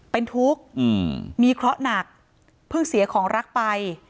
เป็นทุกข์มีเคราะห์หนักเพิ่งเสียของรักไป